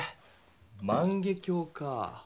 万華鏡かぁ。